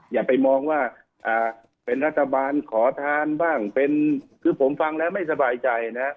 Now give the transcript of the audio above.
อย่าไปมองว่าเป็นรัฐบาลขอทานบ้างเป็นคือผมฟังแล้วไม่สบายใจนะ